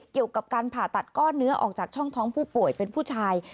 เกี่ยวกับการผ่าตัดก้อนเนื้อออกจากช่องท้องผู้ป่วยเป็นผู้ชาย